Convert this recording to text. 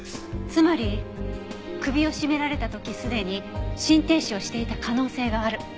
つまり首を絞められた時すでに心停止をしていた可能性がある。